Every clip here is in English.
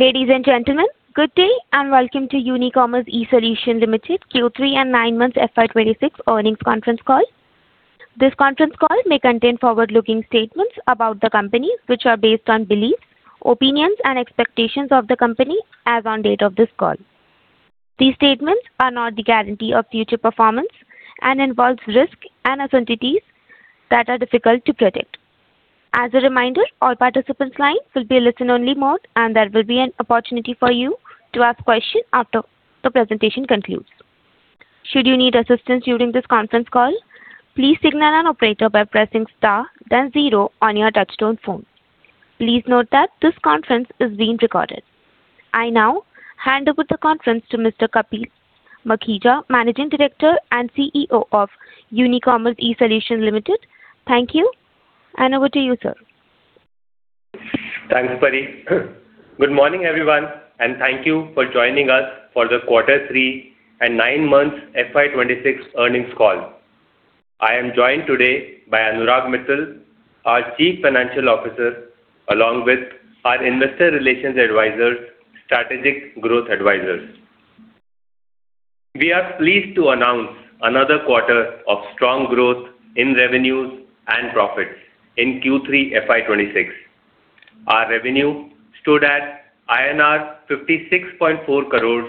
Ladies and gentlemen, good day, and welcome to Unicommerce eSolutions Limited Q3 and nine months FY 2026 Earnings Conference Call. This conference call may contain forward-looking statements about the company, which are based on beliefs, opinions, and expectations of the company as on date of this call. These statements are not the guarantee of future performance and involves risks and uncertainties that are difficult to predict. As a reminder, all participants' lines will be in listen-only mode, and there will be an opportunity for you to ask questions after the presentation concludes. Should you need assistance during this conference call, please signal an operator by pressing star then zero on your touchtone phone. Please note that this conference is being recorded. I now hand over the conference to Mr. Kapil Makhija, Managing Director and CEO of Unicommerce eSolutions Limited. Thank you, and over to you, sir. Thanks, Pari. Good morning, everyone, and thank you for joining us for the Q3 and nine months FY 2026 earnings call. I am joined today by Anurag Mittal, our Chief Financial Officer, along with our investor relations advisor, Strategic Growth Advisors. We are pleased to announce another quarter of strong growth in revenues and profits in Q3 FY 2026. Our revenue stood at INR 56.4 crores,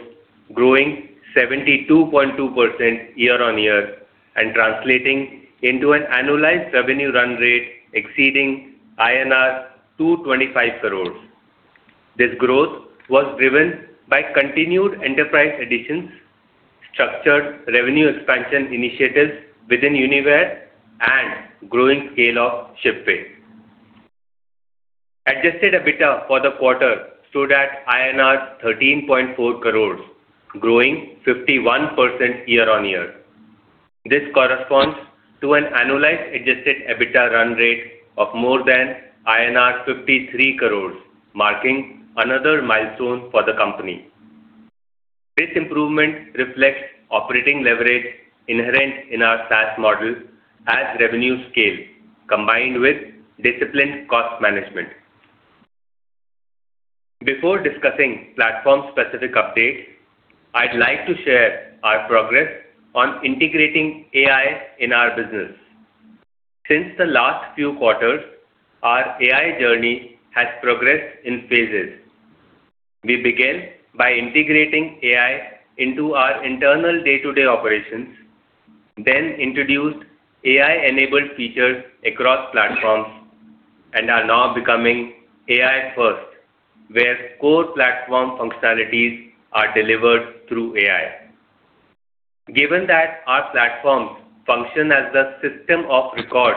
growing 72.2% year-on-year, and translating into an annualized revenue run rate exceeding INR 225 crores. This growth was driven by continued enterprise additions, structured revenue expansion initiatives within Uniware, and growing scale of Shipway. Adjusted EBITDA for the quarter stood at INR 13.4 crores, growing 51% year-on-year. This corresponds to an annualized adjusted EBITDA run rate of more than INR 53 crores, marking another milestone for the company. This improvement reflects operating leverage inherent in our SaaS model as revenue scale, combined with disciplined cost management. Before discussing platform-specific updates, I'd like to share our progress on integrating AI in our business. Since the last few quarters, our AI journey has progressed in phases. We began by integrating AI into our internal day-to-day operations, then introduced AI-enabled features across platforms, and are now becoming AI first, where core platform functionalities are delivered through AI. Given that our platforms function as the system of record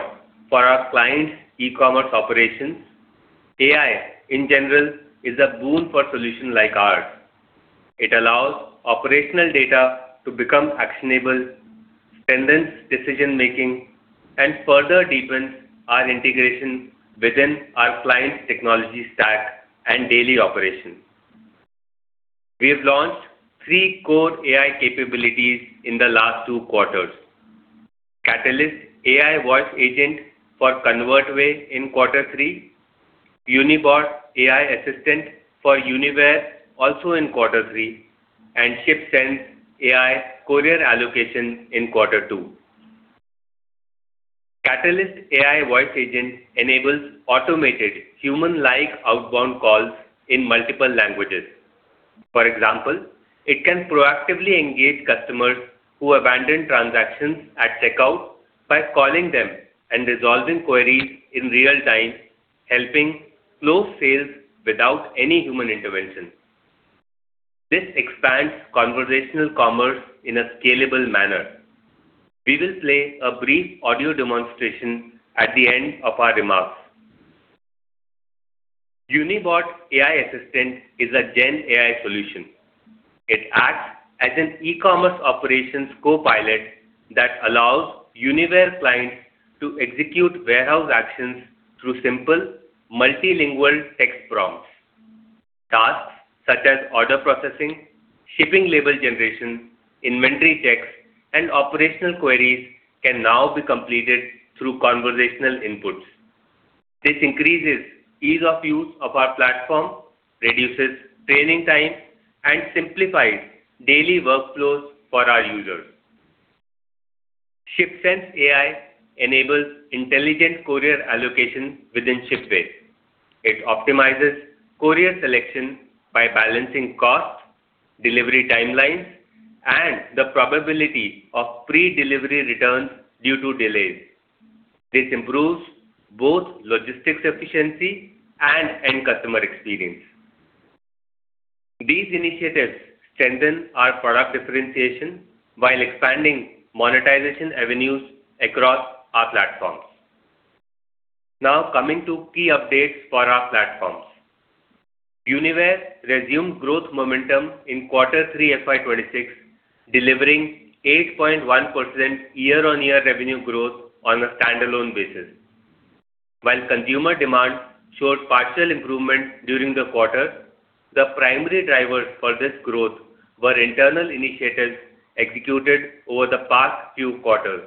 for our clients' e-commerce operations, AI, in general, is a boon for solutions like ours. It allows operational data to become actionable, strengthens decision-making, and further deepens our integration within our clients' technology stack and daily operations. We have launched three core AI capabilities in the last two quarters: Catalyst AI Voice Agent for ConvertWay in Q3, UniBot AI Assistant for Uniware, also in Q3, and ShipSense AI Courier Allocation in Q2. Catalyst AI Voice Agent enables automated, human-like outbound calls in multiple languages. For example, it can proactively engage customers who abandon transactions at checkout by calling them and resolving queries in real time, helping close sales without any human intervention. This expands conversational commerce in a scalable manner. We will play a brief audio demonstration at the end of our remarks. UniBot AI Assistant is a GenAI solution. It acts as an e-commerce operations copilot that allows Uniware clients to execute warehouse actions through simple, multilingual text prompts. Tasks such as order processing, shipping label generation, inventory checks, and operational queries can now be completed through conversational inputs. This increases ease of use of our platform, reduces training time, and simplifies daily workflows for our users. ShipSense AI enables intelligent courier allocation within Shipway. It optimizes courier selection by balancing cost, delivery timelines, and the probability of pre-delivery returns due to delays. This improves both logistics efficiency and end customer experience. These initiatives strengthen our product differentiation while expanding monetization avenues across our platforms. Now, coming to key updates for our platforms. Uniware resumed growth momentum in Q3 FY 2026, delivering 8.1% year-on-year revenue growth on a standalone basis. While consumer demand showed partial improvement during the quarter, the primary drivers for this growth were internal initiatives executed over the past few quarters....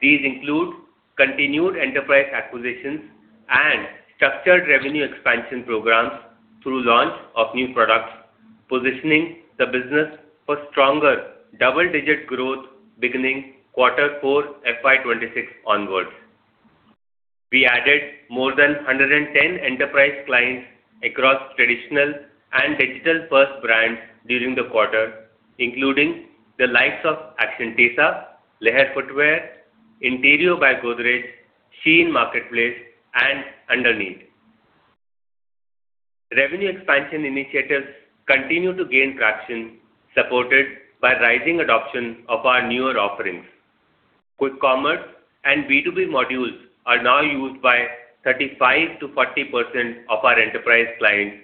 These include continued enterprise acquisitions and structured revenue expansion programs through launch of new products, positioning the business for stronger double-digit growth beginning Q4, FY 2026 onwards. We added more than 110 enterprise clients across traditional and digital-first brands during the quarter, including the likes of Action TESA, Lehar Footwear, Godrej Interio, SHEIN Marketplace, and Underneat. Revenue expansion initiatives continue to gain traction, supported by rising adoption of our newer offerings. Quick Commerce and B2B modules are now used by 35%-40% of our enterprise clients,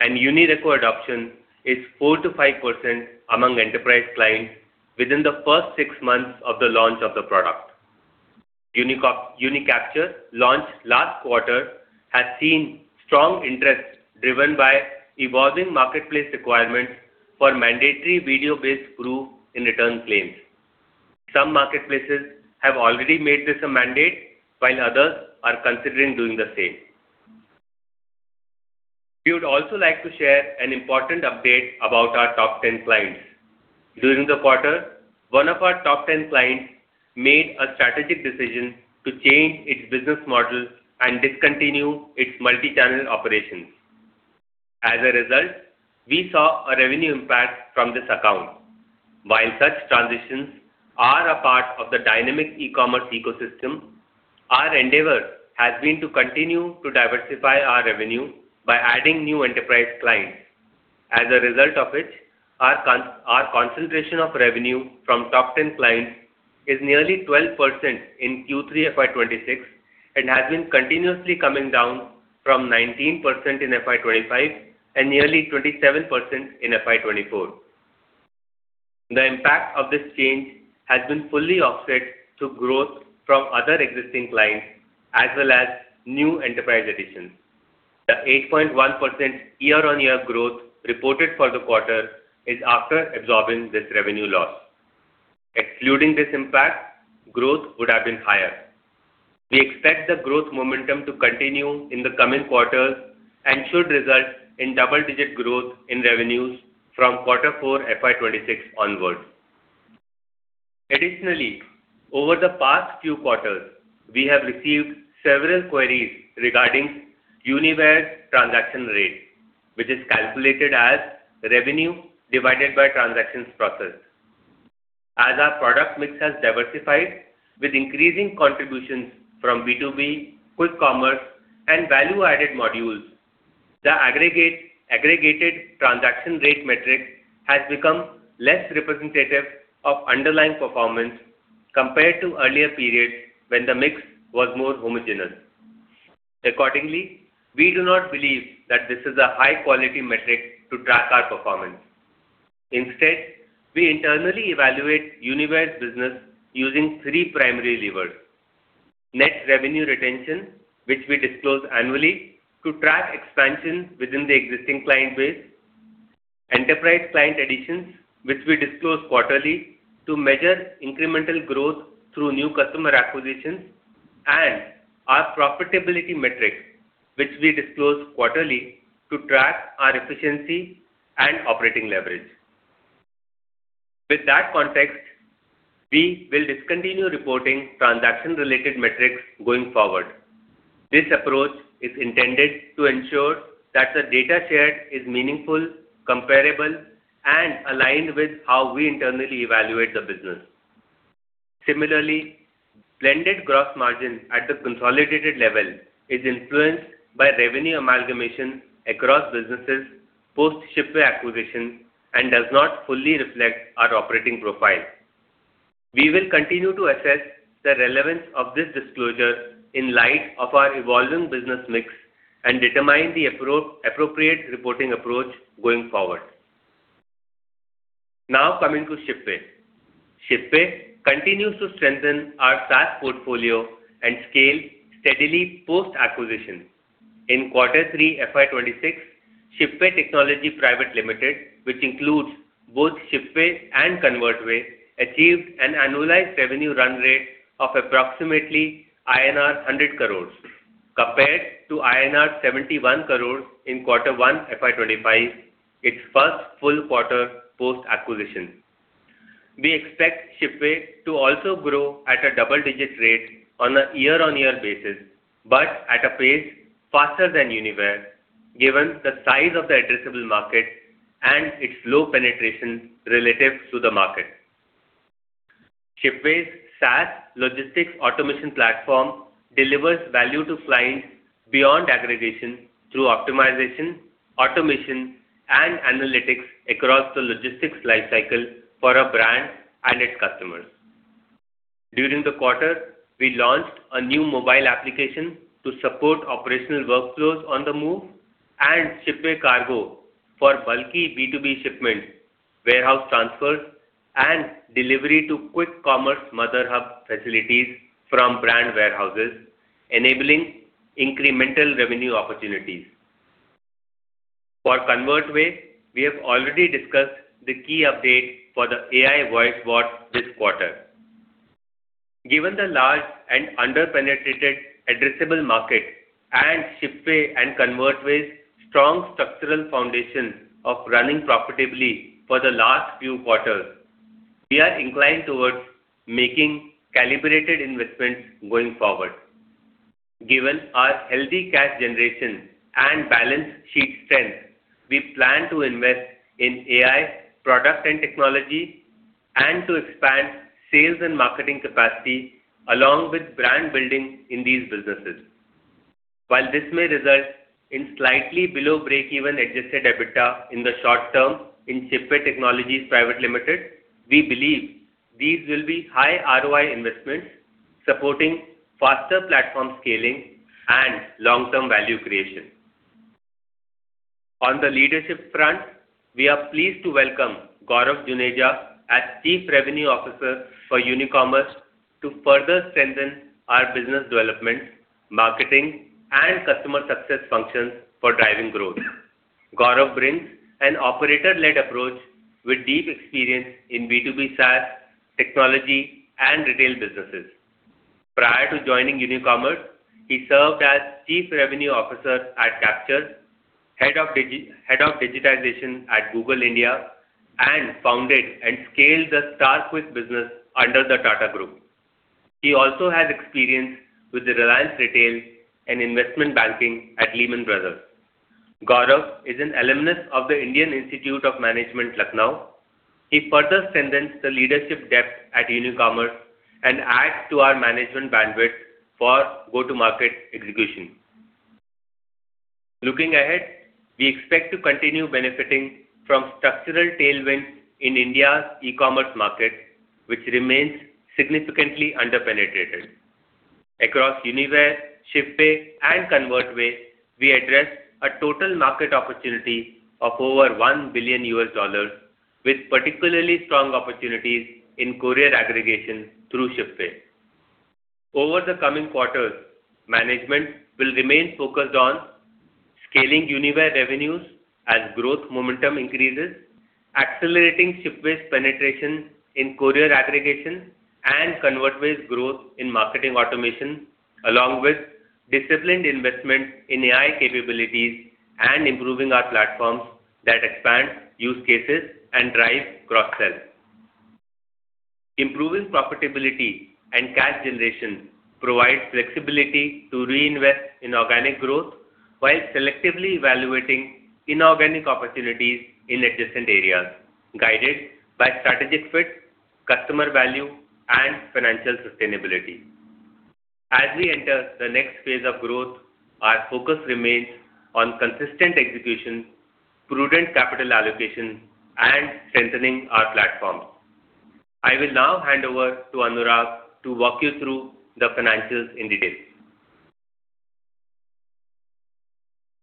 and UniReco adoption is 4%-5% among enterprise clients within the first six months of the launch of the product. UniCapture, launched last quarter, has seen strong interest, driven by evolving marketplace requirements for mandatory video-based proof in return claims. Some marketplaces have already made this a mandate, while others are considering doing the same. We would also like to share an important update about our top ten clients. During the quarter, one of our top ten clients made a strategic decision to change its business model and discontinue its multi-channel operations. As a result, we saw a revenue impact from this account. While such transitions are a part of the dynamic e-commerce ecosystem, our endeavor has been to continue to diversify our revenue by adding new enterprise clients. As a result of which, our concentration of revenue from top ten clients is nearly 12% in Q3 FY 2026, and has been continuously coming down from 19% in FY 2025, and nearly 27% in FY 2024. The impact of this change has been fully offset to growth from other existing clients, as well as new enterprise additions. The 8.1% year-on-year growth reported for the quarter is after absorbing this revenue loss. Excluding this impact, growth would have been higher. We expect the growth momentum to continue in the coming quarters and should result in double-digit growth in revenues from Q4, FY 2026 onwards. Additionally, over the past few quarters, we have received several queries regarding Uniware's transaction rate, which is calculated as revenue divided by transactions processed. As our product mix has diversified, with increasing contributions from B2B, quick commerce, and value-added modules, the aggregated transaction rate metric has become less representative of underlying performance compared to earlier periods when the mix was more homogeneous. Accordingly, we do not believe that this is a high-quality metric to track our performance. Instead, we internally evaluate Uniware's business using three primary levers: net revenue retention, which we disclose annually to track expansion within the existing client base, enterprise client additions, which we disclose quarterly to measure incremental growth through new customer acquisitions, and our profitability metrics, which we disclose quarterly to track our efficiency and operating leverage. With that context, we will discontinue reporting transaction-related metrics going forward. This approach is intended to ensure that the data shared is meaningful, comparable, and aligned with how we internally evaluate the business. Similarly, blended gross margin at the consolidated level is influenced by revenue amalgamation across businesses, post-Shipway acquisition, and does not fully reflect our operating profile. We will continue to assess the relevance of this disclosure in light of our evolving business mix and determine the appropriate reporting approach going forward. Now coming to Shipway. Shipway continues to strengthen our SaaS portfolio and scale steadily post-acquisition. In Q3, FY 2026, Shipway Technology Private Limited, which includes both Shipway and ConvertWay, achieved an annualized revenue run rate of approximately INR 100 crores, compared to INR 71 crores in Q1, FY 2025, its first full quarter post-acquisition. We expect Shipway to also grow at a double-digit rate on a year-on-year basis, but at a pace faster than Uniware, given the size of the addressable market and its low penetration relative to the market. Shipway's SaaS logistics automation platform delivers value to clients beyond aggregation through optimization, automation, and analytics across the logistics life cycle for a brand and its customers. During the quarter, we launched a new mobile application to support operational workflows on the move, and Shipway Cargo for bulky B2B shipments, warehouse transfers, and delivery to quick commerce mother hub facilities from brand warehouses, enabling incremental revenue opportunities. For ConvertWay, we have already discussed the key update for the AI Voice Bot this quarter. Given the large and under-penetrated addressable market, and Shipway and ConvertWay's strong structural foundation of running profitably for the last few quarters, we are inclined towards making calibrated investments going forward. Given our healthy cash generation and balance sheet strength, we plan to invest in AI product and technology, and to expand sales and marketing capacity, along with brand building in these businesses. While this may result in slightly below break-even adjusted EBITDA in the short term in Shipway Technology Private Limited, we believe these will be high ROI investments, supporting faster platform scaling and long-term value creation. On the leadership front, we are pleased to welcome Gaurav Juneja as Chief Revenue Officer for Unicommerce, to further strengthen our business development, marketing, and customer success functions for driving growth. Gaurav brings an operator-led approach with deep experience in B2B SaaS, technology, and retail businesses. Prior to joining Unicommerce, he served as Chief Revenue Officer at Kapture.cx, Head of Digitization at Google India, and founded and scaled the StarQuik business under the Tata Group. He also has experience with the Reliance Retail and investment banking at Lehman Brothers. Gaurav is an alumnus of the Indian Institute of Management, Lucknow. He further strengthens the leadership depth at Unicommerce and adds to our management bandwidth for go-to-market execution. Looking ahead, we expect to continue benefiting from structural tailwinds in India's e-commerce market, which remains significantly under-penetrated. Across Uniware, Shipway, and ConvertWay, we address a total market opportunity of over $1 billion, with particularly strong opportunities in courier aggregation through Shipway. Over the coming quarters, management will remain focused on scaling Uniware revenues as growth momentum increases, accelerating Shipway's penetration in courier aggregation, and ConvertWay's growth in marketing automation, along with disciplined investment in AI capabilities, and improving our platforms that expand use cases and drive cross-sell. Improving profitability and cash generation provides flexibility to reinvest in organic growth, while selectively evaluating inorganic opportunities in adjacent areas, guided by strategic fit, customer value, and financial sustainability. As we enter the next phase of growth, our focus remains on consistent execution, prudent capital allocation, and strengthening our platforms. I will now hand over to Anurag to walk you through the financials in detail.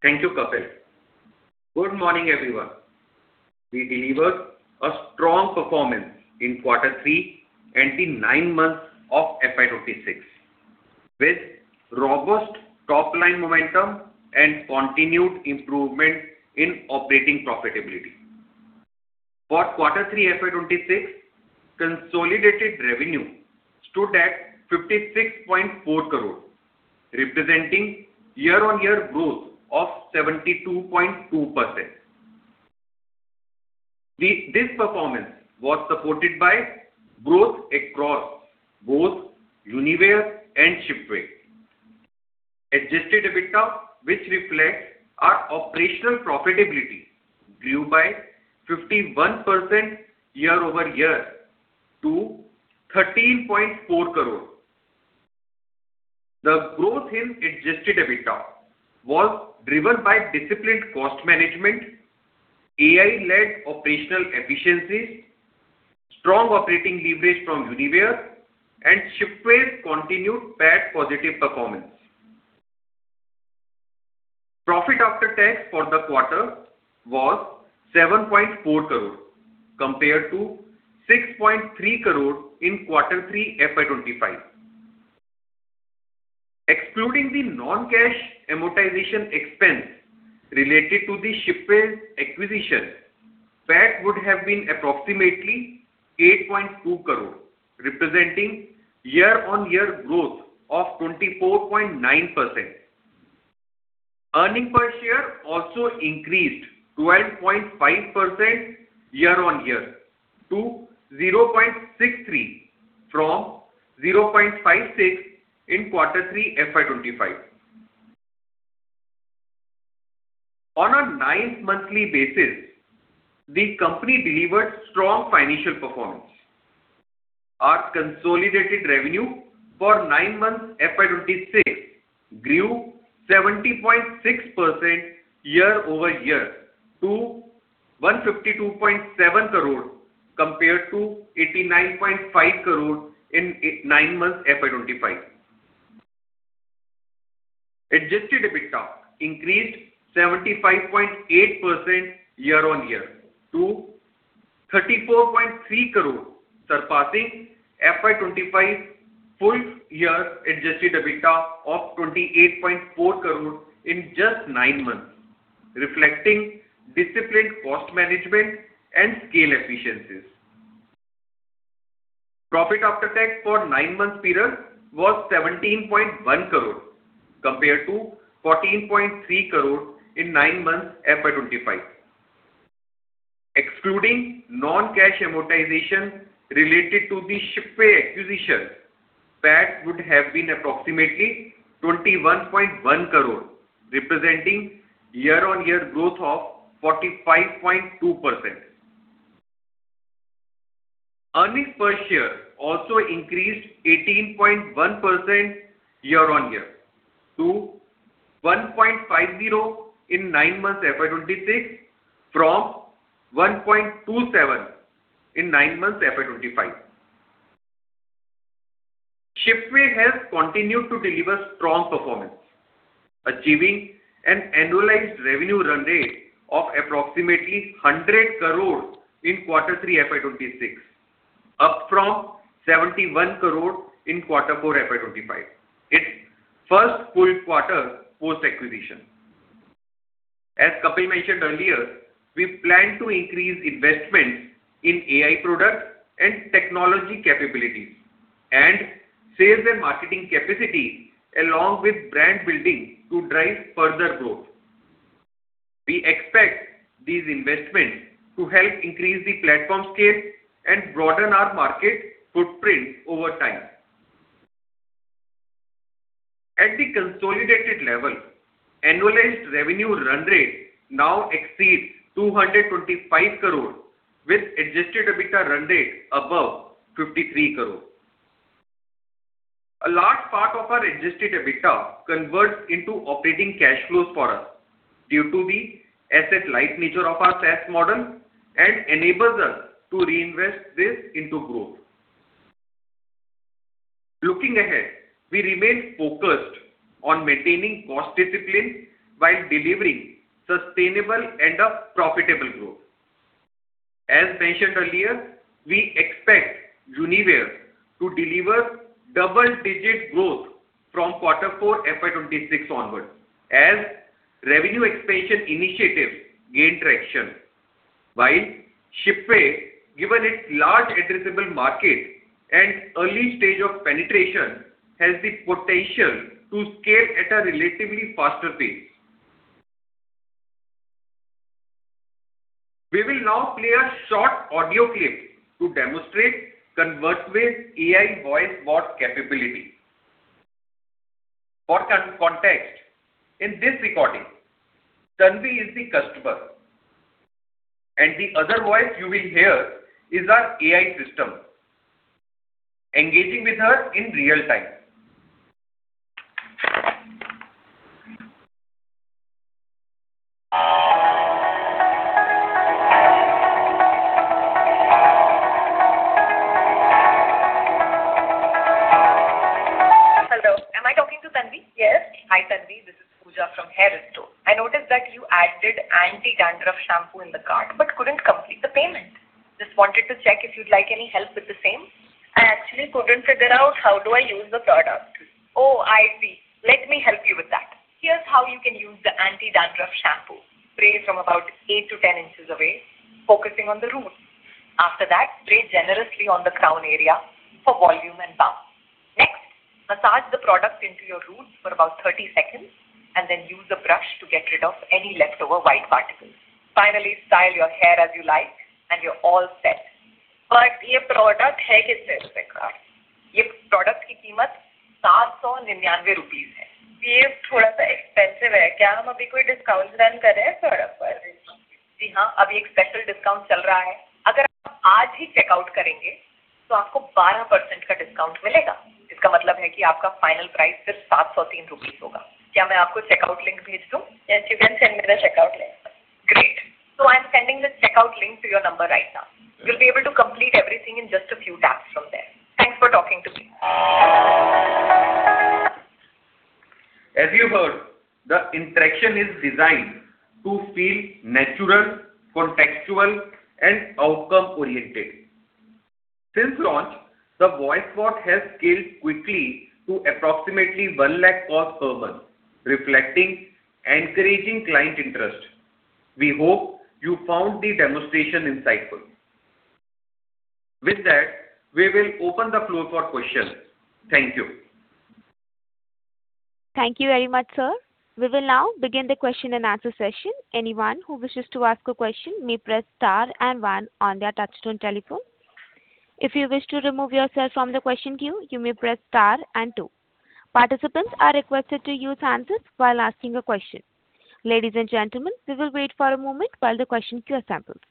Thank you, Kapil. Good morning, everyone. We delivered a strong performance in Q3 and the 9 months of FY 2026, with robust top-line momentum and continued improvement in operating profitability. For Q3 FY 2026, consolidated revenue stood at 56.4 crore, representing year-on-year growth of 72.2%. This performance was supported by growth across both Uniware and Shipway. Adjusted EBITDA, which reflects our operational profitability, grew by 51% year-over-year to INR 13.4 crore. The growth in adjusted EBITDA was driven by disciplined cost management, AI-led operational efficiencies, strong operating leverage from Uniware, and Shipway's continued PAT positive performance. Profit after tax for the quarter was 7.4 crore, compared to 6.3 crore in Q3, FY 2025. Excluding the non-cash amortization expense related to the Shipway's acquisition, PAT would have been approximately INR 8.2 crore, representing year-on-year growth of 24.9%. Earnings per share also increased 12.5% year-on-year to 0.63 from 0.56 in Q3, FY 2025. On a nine-monthly basis, the company delivered strong financial performance. Our consolidated revenue for nine months, FY 2026, grew 70.6% year-over-year to 152.7 crore, compared to 89.5 crore in nine months, FY 2025. Adjusted EBITDA increased 75.8% year-on-year to INR 34.3 crore, surpassing FY 2025 full year adjusted EBITDA of 28.4 crore in just nine months, reflecting disciplined cost management and scale efficiencies. Profit after tax for 9 months period was 17.1 crore, compared to 14.3 crore in 9 months FY 2025. Excluding non-cash amortization related to the Shipway acquisition, that would have been approximately 21.1 crore, representing year-on-year growth of 45.2%. Earnings per share also increased 18.1% year-on-year to 1.50 in 9 months FY 2026, from 1.27 in 9 months FY 2025. Shipway has continued to deliver strong performance, achieving an annualized revenue run rate of approximately 100 crore in Q3 FY 2026, up from 71 crore in Q4 FY 2025, its first full quarter post-acquisition. As Kapil mentioned earlier, we plan to increase investment in AI products and technology capabilities, and sales and marketing capacity, along with brand building to drive further growth. We expect these investments to help increase the platform scale and broaden our market footprint over time. At the consolidated level, annualized revenue run rate now exceeds 225 crore, with adjusted EBITDA run rate above 53 crore. A large part of our adjusted EBITDA converts into operating cash flows for us, due to the asset-light nature of our SaaS model and enables us to reinvest this into growth. Looking ahead, we remain focused on maintaining cost discipline while delivering sustainable and a profitable growth. As mentioned earlier, we expect Uniware to deliver double-digit growth from Q4 FY 2026 onwards, as revenue expansion initiatives gain traction. While Shipway, given its large addressable market and early stage of penetration, has the potential to scale at a relatively faster pace. We will now play a short audio clip to demonstrate ConvertWay's AI voice bot capability. For context, in this recording, Tanvi is the customer, and the other voice you will hear is our AI system, engaging with her in real time. Hello, am I talking to Tanvi? Yes. Hi, Tanvi, this is Pooja from Hairesto. I noticed that you added anti-dandruff shampoo in the cart, but couldn't complete the payment. Just wanted to check if you'd like any help with the same. I actually couldn't figure out how do I use the product. Oh, I see. Let me help you with that. Here's how you can use the anti-dandruff shampoo. Spray from about 8-10 inches away, focusing on the roots. After that, spray generously on the crown area for volume and bounce. Next, massage the product into your roots for about 30 seconds, and then use a brush to get rid of any leftover white particles. Finally, style your hair as you like, and you're all set. But, Yes, you can send me the checkout link. Great! So I'm sending the checkout link to your number right now. You'll be able to complete everything in just a few taps from there. Thanks for talking to me. As you heard, the interaction is designed to feel natural, contextual, and outcome-oriented. Since launch, the voice bot has scaled quickly to approximately 100,000 calls per month, reflecting encouraging client interest. We hope you found the demonstration insightful. With that, we will open the floor for questions. Thank you. Thank you very much, sir. We will now begin the question and answer session. Anyone who wishes to ask a question may press star and one on their touchtone telephone. If you wish to remove yourself from the question queue, you may press star and two. Participants are requested to use hands-up while asking a question. Ladies and gentlemen, we will wait for a moment while the question queue assembles.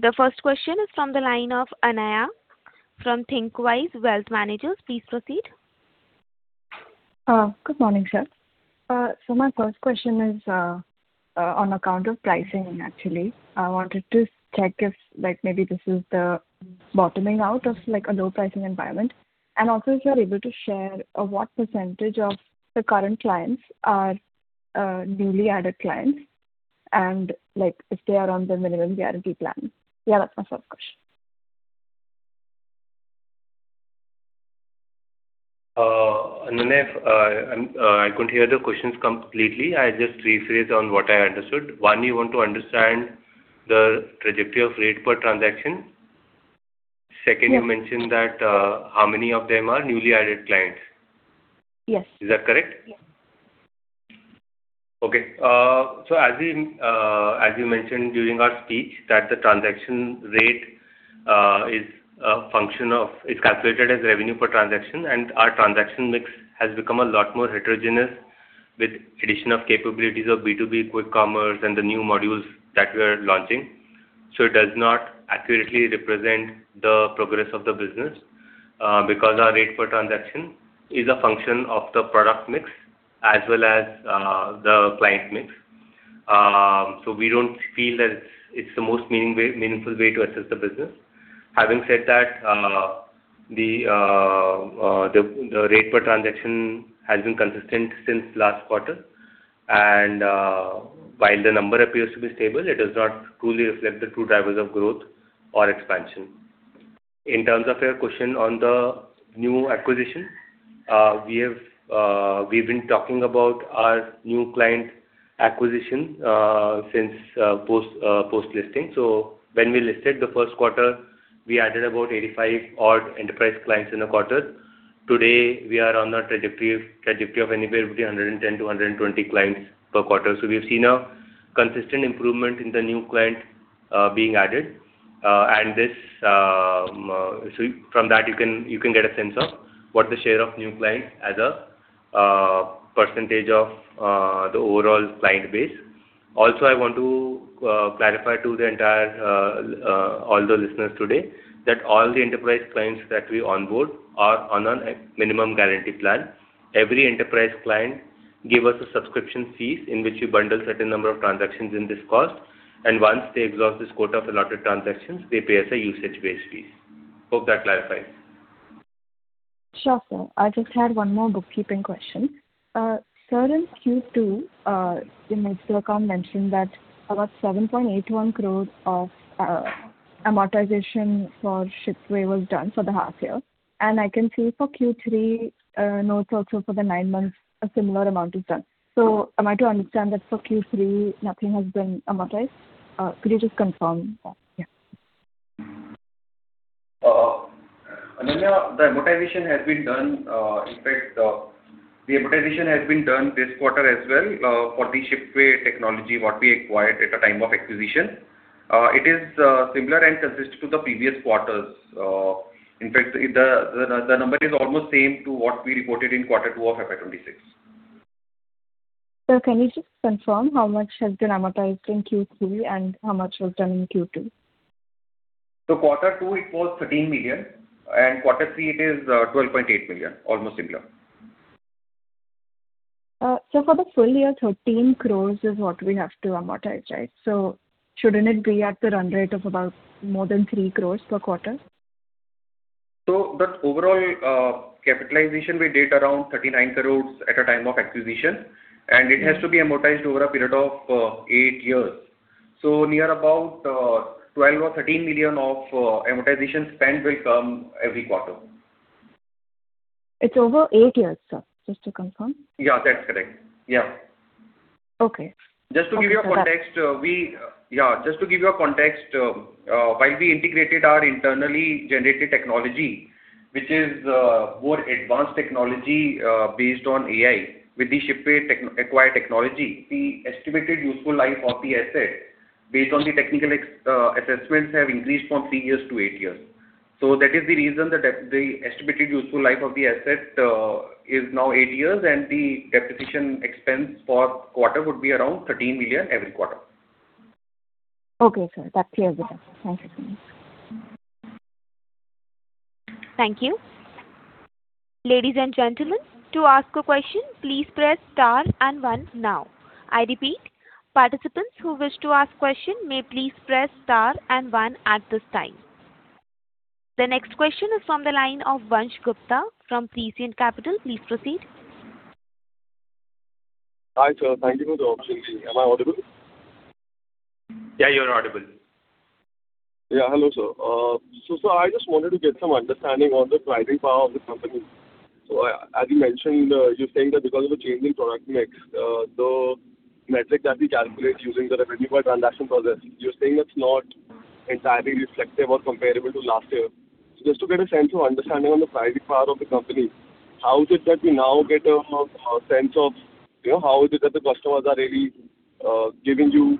The first question is from the line of Ananya from Thinkwise Wealth Managers. Please proceed. Good morning, sir. So my first question is on account of pricing, actually. I wanted to check if, like, maybe this is the bottoming out of, like, a low pricing environment. And also, if you are able to share what percentage of the current clients are newly added clients, and, like, if they are on the minimum guarantee plan? Yeah, that's my first question. Ananya, I couldn't hear the questions completely. I just rephrase on what I understood. One, you want to understand the trajectory of rate per transaction. Second- Yes. You mentioned that, how many of them are newly added clients? Yes. Is that correct? Yes. Okay. So as we mentioned during our speech, that the transaction rate is a function of. It's calculated as revenue per transaction, and our transaction mix has become a lot more heterogeneous with addition of capabilities of B2B quick commerce and the new modules that we are launching. So it does not accurately represent the progress of the business, because our rate per transaction is a function of the product mix as well as the client mix. So we don't feel that it's the most meaning way, meaningful way to assess the business. Having said that, the rate per transaction has been consistent since last quarter, and while the number appears to be stable, it does not truly reflect the true drivers of growth or expansion. In terms of your question on the new acquisition, we've been talking about our new client acquisition since post-listing. So when we listed the Q1, we added about 85 odd enterprise clients in a quarter. Today, we are on a trajectory of anywhere between 110-120 clients per quarter. So we've seen a consistent improvement in the new client being added. So from that, you can get a sense of what the share of new clients as a percentage of the overall client base. Also, I want to clarify to all the listeners today, that all the enterprise clients that we onboard are on a minimum guarantee plan. Every enterprise client give us a subscription fees, in which we bundle certain number of transactions in this cost, and once they exhaust this quota of allotted transactions, they pay us a usage-based fees. Hope that clarifies. Sure, sir. I just had one more bookkeeping question. Sir, in Q2, in my telecom mentioned that about 7.81 crore of amortization for Shipway was done for the half year. I can see for Q3, notes also for the nine months, a similar amount is done. So am I to understand that for Q3, nothing has been amortized? Could you just confirm that? Yeah. Ananya, the amortization has been done, in fact, the amortization has been done this quarter as well, for the Shipway technology, what we acquired at the time of acquisition. It is similar and consistent to the previous quarters. In fact, the number is almost same to what we reported in quarter two of FY 2026. Sir, can you just confirm how much has been amortized in Q3 and how much was done in Q2? Q2, it was 13 million, and Q3, it is 12.8 million, almost similar. So for the full year, 13 crore is what we have to amortize, right? So shouldn't it be at the run rate of about more than 3 crore per quarter? The overall capitalization we did around 39 crores at the time of acquisition, and it has to be amortized over a period of eight years. Near about 12-13 million of amortization spend will come every quarter. It's over eight years, sir, just to confirm? Yeah, that's correct. Yeah. Okay. Just to give you a context, while we integrated our internally generated technology, which is more advanced technology based on AI, with the Shipway tech-acquired technology, the estimated useful life of the asset, based on the technical assessments, have increased from 3 years to 8 years. So that is the reason that the estimated useful life of the asset is now 8 years, and the depreciation expense for quarter would be around 13 million every quarter. Okay, sir. That's clear with us. Thank you so much. Thank you. Ladies and gentlemen, to ask a question, please press star and one now. I repeat, participants who wish to ask question may please press star and one at this time. The next question is from the line of Vansh Gupta from Prescient Capital. Please proceed. Hi, sir. Thank you for the opportunity. Am I audible? Yeah, you're audible. Yeah. Hello, sir. So, sir, I just wanted to get some understanding on the pricing power of the company. So as you mentioned, you're saying that because of the changing product mix, the metric that we calculate using the revenue per transaction process, you're saying it's not entirely reflective or comparable to last year. So just to get a sense of understanding on the pricing power of the company, how is it that we now get a sense of, you know, how is it that the customers are really giving you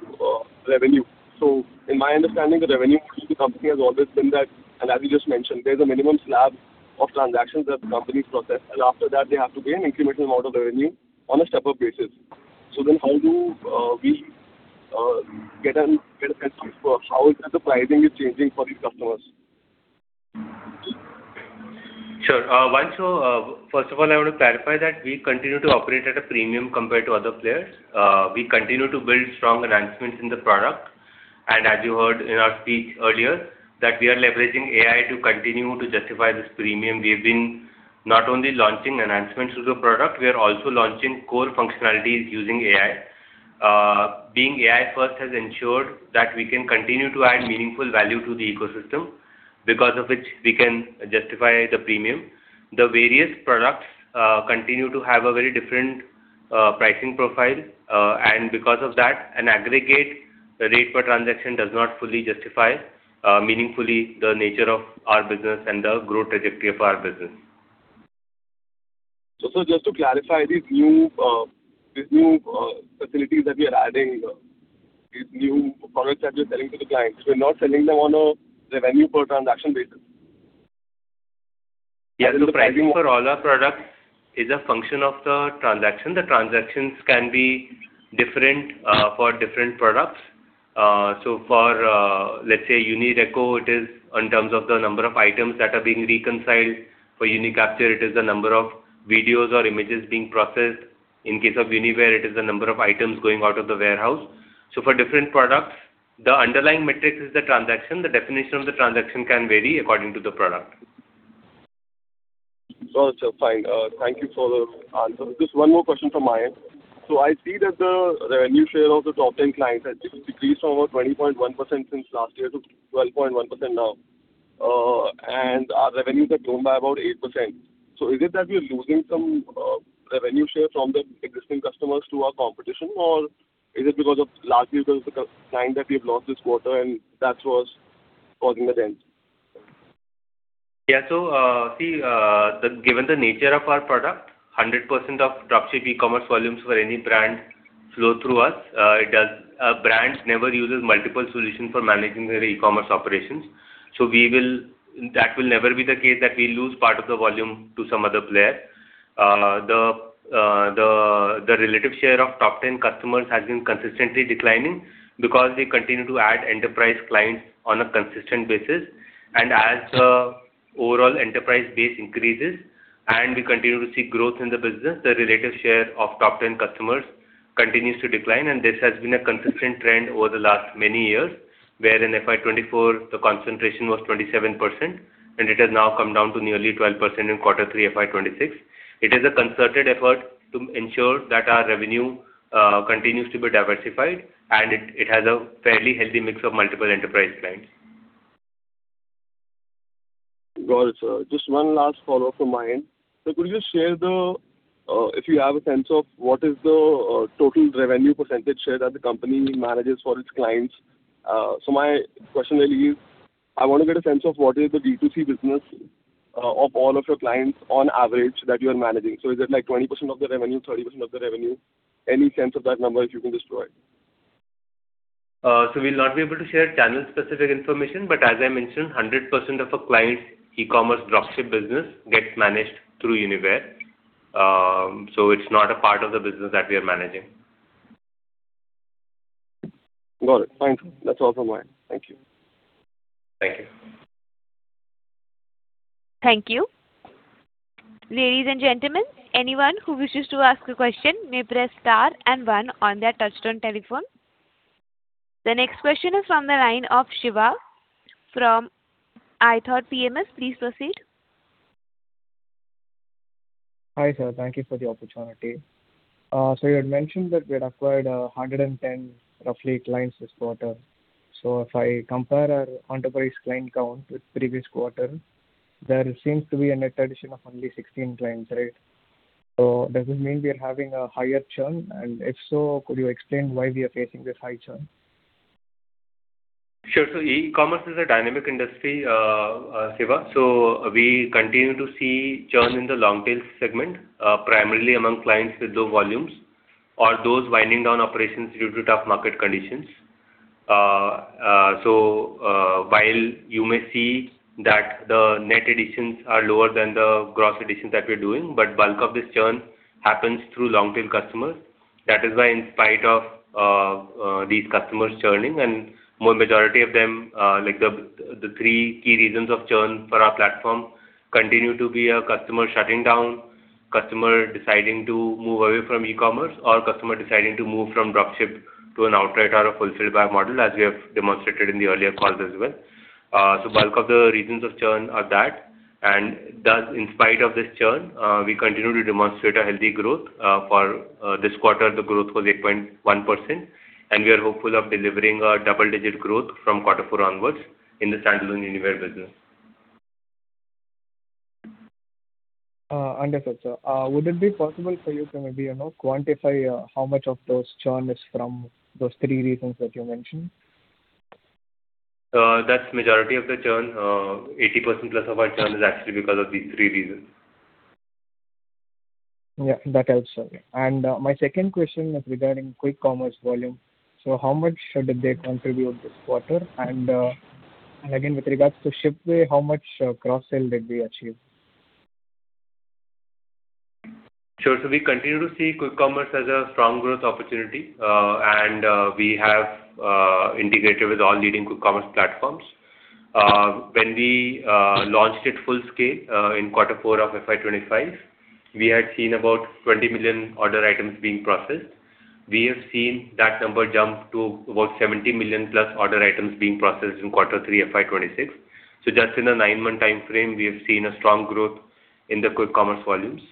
revenue? So in my understanding, the revenue of the company has always been that, and as you just mentioned, there's a minimum slab of transactions that the companies process, and after that, they have to pay an incremental amount of revenue on a step-up basis.... So then how do we get a sense for how the pricing is changing for these customers? Sure. First of all, I want to clarify that we continue to operate at a premium compared to other players. We continue to build strong enhancements in the product, and as you heard in our speech earlier, that we are leveraging AI to continue to justify this premium. We have been not only launching enhancements to the product, we are also launching core functionalities using AI. Being AI first has ensured that we can continue to add meaningful value to the ecosystem, because of which we can justify the premium. The various products continue to have a very different pricing profile, and because of that, an aggregate rate per transaction does not fully justify meaningfully the nature of our business and the growth trajectory of our business. So, sir, just to clarify, these new facilities that we are adding, these new products that we are selling to the clients, we're not selling them on a revenue per transaction basis? Yeah, the pricing for all our products is a function of the transaction. The transactions can be different, for different products. So for, let's say, UniReco, it is in terms of the number of items that are being reconciled. For UniCapture, it is the number of videos or images being processed. In case of Uniware, it is the number of items going out of the warehouse. So for different products, the underlying metric is the transaction. The definition of the transaction can vary according to the product. Got you. Fine. Thank you for the answer. Just one more question from my end. So I see that the revenue share of the top 10 clients has decreased from about 20.1% since last year to 12.1% now, and our revenues have grown by about 8%. So is it that we are losing some revenue share from the existing customers to our competition? Or is it because of large new clients that we've lost this quarter, and that was causing the dent? Yeah. So, see, given the nature of our product, 100% of dropship e-commerce volumes for any brand flow through us. It does. A brand never uses multiple solutions for managing their e-commerce operations. So we will—that will never be the case, that we lose part of the volume to some other player. The relative share of top ten customers has been consistently declining because we continue to add enterprise clients on a consistent basis. And as the overall enterprise base increases and we continue to see growth in the business, the relative share of top ten customers continues to decline, and this has been a consistent trend over the last many years, where in FY 2024, the concentration was 27%, and it has now come down to nearly 12% in Q3, FY 2026. It is a concerted effort to ensure that our revenue continues to be diversified, and it has a fairly healthy mix of multiple enterprise clients. Got it, sir. Just one last follow-up from my end. So could you share the, if you have a sense of what is the, total revenue percentage share that the company manages for its clients? So my question really is, I want to get a sense of what is the B2C business, of all of your clients on average, that you are managing. So is it like 20% of the revenue, 30% of the revenue? Any sense of that number, if you can just provide. We'll not be able to share channel-specific information, but as I mentioned, 100% of a client's e-commerce dropship business gets managed through Uniware. It's not a part of the business that we are managing. Got it. Thank you. That's all from my end. Thank you. Thank you. Thank you. Ladies and gentlemen, anyone who wishes to ask a question may press Star and One on their touchtone telephone. The next question is from the line of Siva from iThought PMS. Please proceed. Hi, sir. Thank you for the opportunity. So you had mentioned that we had acquired, 110, roughly, clients this quarter. So if I compare our enterprise client count with previous quarter, there seems to be a net addition of only 16 clients, right? So does it mean we are having a higher churn? And if so, could you explain why we are facing this high churn? Sure. So e-commerce is a dynamic industry, Siva. So we continue to see churn in the long tail segment, primarily among clients with low volumes or those winding down operations due to tough market conditions. While you may see that the net additions are lower than the gross additions that we're doing, but bulk of this churn happens through long-tail customers. That is why, in spite of these customers churning and more majority of them, like the three key reasons of churn for our platform continue to be a customer shutting down, customer deciding to move away from e-commerce, or customer deciding to move from dropship to an outright or a fulfilled by model, as we have demonstrated in the earlier calls as well. So bulk of the reasons of churn are that, and thus, in spite of this churn, we continue to demonstrate a healthy growth. For this quarter, the growth was 8.1%, and we are hopeful of delivering a double-digit growth from Q4 onwards in the standalone Uniware business. Understood, sir. Would it be possible for you to maybe, you know, quantify how much of those churn is from those three reasons that you mentioned? That's majority of the churn. 80%+ of our churn is actually because of these three reasons. Yeah, that helps, sir. And, my second question is regarding Quick Commerce volume. So how much did they contribute this quarter? And again, with regards to Shipway, how much cross-sell did we achieve? Sure. So we continue to see quick commerce as a strong growth opportunity, and we have integrated with all leading quick commerce platforms. When we launched it full scale in Q4 of FY 2025, we had seen about 20 million order items being processed. We have seen that number jump to about 70 million plus order items being processed in Q3, FY 2026. So just in a 9-month time frame, we have seen a strong growth in the quick commerce volumes.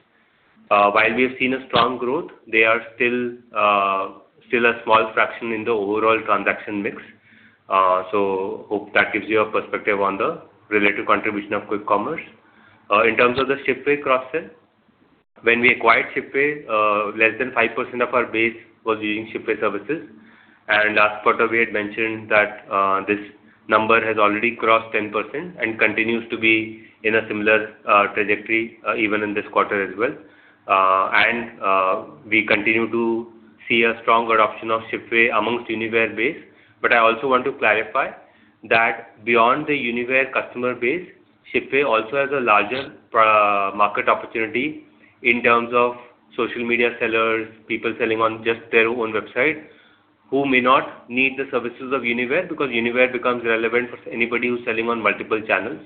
While we have seen a strong growth, they are still a small fraction in the overall transaction mix. So hope that gives you a perspective on the relative contribution of quick commerce. In terms of the Shipway cross-sell, when we acquired Shipway, less than 5% of our base was using Shipway services. Last quarter, we had mentioned that this number has already crossed 10% and continues to be in a similar trajectory even in this quarter as well. We continue to see a strong adoption of Shipway amongst Uniware base. But I also want to clarify that beyond the Uniware customer base, Shipway also has a larger market opportunity in terms of social media sellers, people selling on just their own website, who may not need the services of Uniware, because Uniware becomes relevant for anybody who's selling on multiple channels.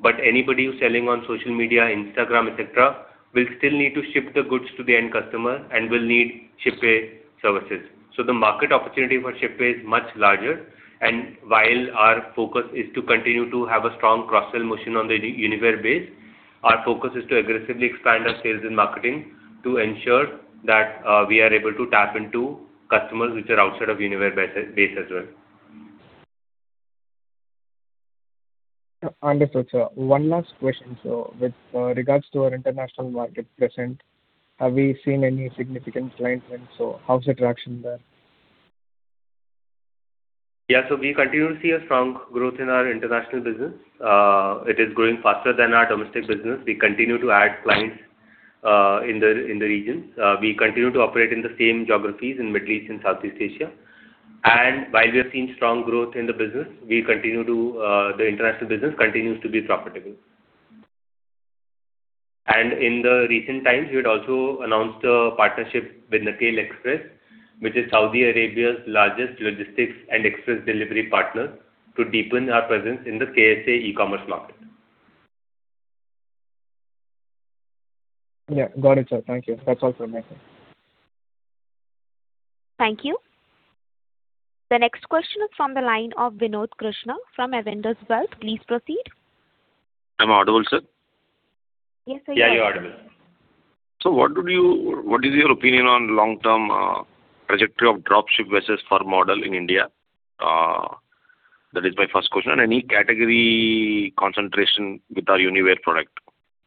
But anybody who's selling on social media, Instagram, et cetera, will still need to ship the goods to the end customer and will need Shipway services. So the market opportunity for Shipway is much larger, and while our focus is to continue to have a strong cross-sell motion on the Uniware base, our focus is to aggressively expand our sales and marketing to ensure that we are able to tap into customers which are outside of Uniware base, base as well. Understood, sir. One last question. So with regards to our international market presence, have we seen any significant client wins? So how's the traction there? Yeah, so we continue to see a strong growth in our international business. It is growing faster than our domestic business. We continue to add clients in the regions. We continue to operate in the same geographies in Middle East and Southeast Asia. And while we have seen strong growth in the business, the international business continues to be profitable. And in the recent times, we had also announced a partnership with NAQEL Express, which is Saudi Arabia's largest logistics and express delivery partner, to deepen our presence in the KSA e-commerce market. Yeah, got it, sir. Thank you. That's all from my side. Thank you. The next question is from the line of Vinod Krishna from Avendus Wealth. Please proceed. Am I audible, sir? Yes, sir. Yeah, you're audible. So what is your opinion on long-term trajectory of Dropship versus full model in India? That is my first question. And any category concentration with our Uniware product.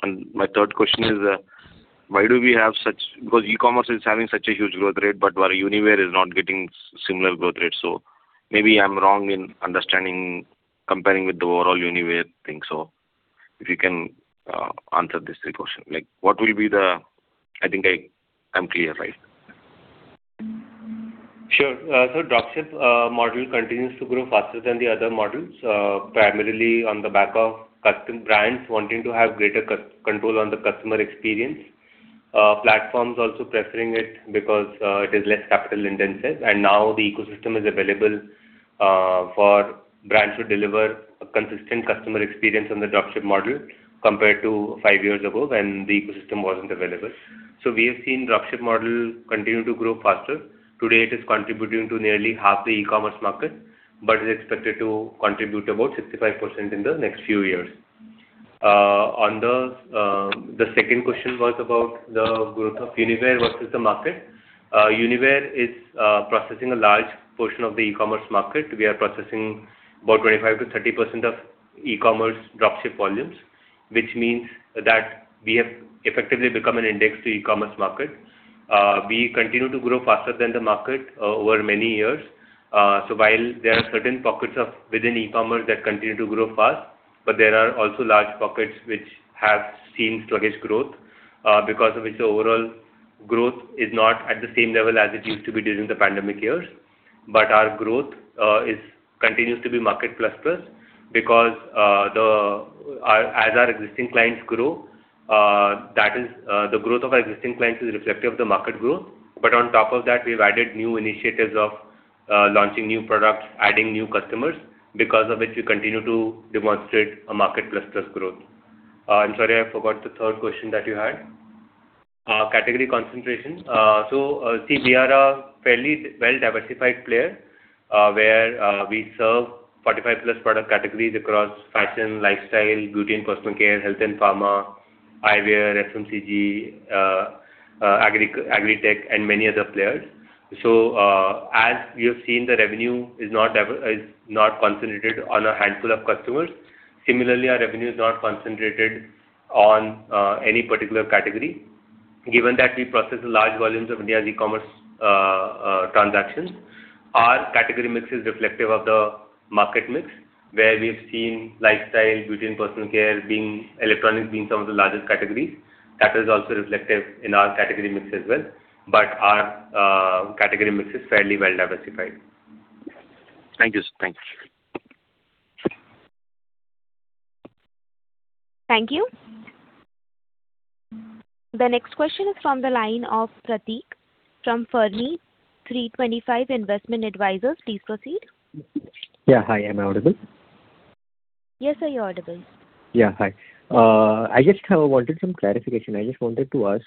And my third question is, why do we have such, because e-commerce is having such a huge growth rate, but our Uniware is not getting similar growth rate. So maybe I'm wrong in understanding, comparing with the overall Uniware thing. So if you can answer these three questions, like, what will be the... I think I'm clear, right? Sure. So dropship model continues to grow faster than the other models, primarily on the back of custom brands wanting to have greater control on the customer experience. Platforms also preferring it because it is less capital intensive, and now the ecosystem is available for brands to deliver a consistent customer experience on the dropship model, compared to five years ago, when the ecosystem wasn't available. So we have seen dropship model continue to grow faster. Today, it is contributing to nearly half the e-commerce market, but is expected to contribute about 65% in the next few years. On the second question was about the growth of Uniware versus the market. Uniware is processing a large portion of the e-commerce market. We are processing about 25%-30% of e-commerce dropship volumes, which means that we have effectively become an index to e-commerce market. We continue to grow faster than the market over many years. So while there are certain pockets within e-commerce that continue to grow fast, but there are also large pockets which have seen sluggish growth, because of which the overall growth is not at the same level as it used to be during the pandemic years. But our growth is continues to be market plus plus, because, the, as our existing clients grow, that is, the growth of our existing clients is reflective of the market growth. But on top of that, we've added new initiatives of, launching new products, adding new customers, because of which we continue to demonstrate a market plus plus growth. I'm sorry, I forgot the third question that you had. Category concentration. So, see, we are a fairly well-diversified player, where we serve 45+ product categories across fashion, lifestyle, beauty and personal care, health and pharma, eyewear, FMCG, agri tech, and many other players. So, as we have seen, the revenue is not concentrated on a handful of customers. Similarly, our revenue is not concentrated on any particular category. Given that we process large volumes of India's e-commerce transactions, our category mix is reflective of the market mix, where we have seen lifestyle, beauty and personal care, electronics being some of the largest categories. That is also reflective in our category mix as well, but our category mix is fairly well diversified. Thank you, sir. Thank you. Thank you. The next question is from the line of Pratik from Fermi325 Investment Advisers. Please proceed. Yeah. Hi, am I audible? Yes, sir, you're audible. Yeah. Hi. I just wanted some clarification. I just wanted to ask,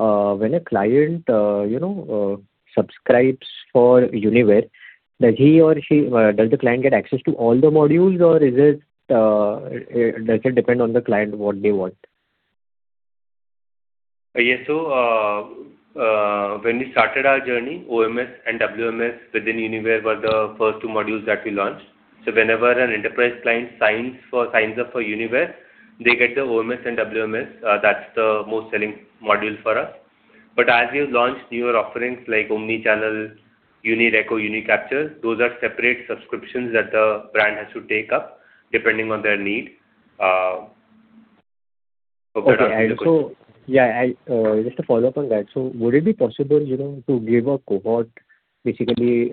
when a client, you know, subscribes for Uniware, does he or she, does the client get access to all the modules, or is it, does it depend on the client, what they want? Yes. So, when we started our journey, OMS and WMS within Uniware were the first two modules that we launched. So whenever an enterprise client signs up for Uniware, they get the OMS and WMS. That's the most selling module for us. But as we've launched newer offerings like Omnichannel, UniReco, UniCapture, those are separate subscriptions that the brand has to take up, depending on their need. Hope that answers the question. Okay. And so, yeah, I, just a follow-up on that. So would it be possible, you know, to give a cohort, basically,